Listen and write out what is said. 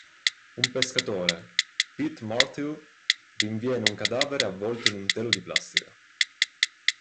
Un pescatore, Pete Martell, rinviene un cadavere avvolto in un telo di plastica.